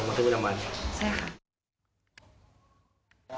ครับแล้วตอนนี้เรามาลงมาที่วินามัน